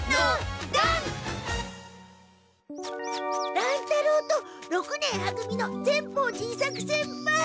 乱太郎と六年は組の善法寺伊作先輩！